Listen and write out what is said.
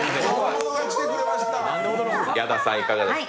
矢田さん、いかがですか？